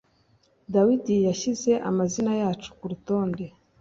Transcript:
Dawidi yashyize amazina yacu kurutonde.